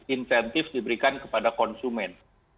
insentif diberikan kepada konsumen